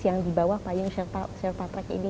yang di bawah payung serpa track ini